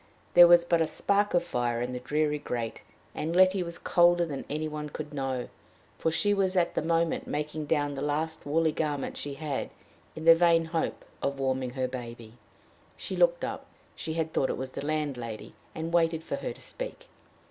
There was but a spark of fire in the dreary grate, and Letty was colder than any one could know, for she was at the moment making down the last woolly garment she had, in the vain hope of warming her baby. She looked up. She had thought it was the landlady, and had waited for her to speak.